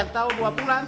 tiga tahun dua pulang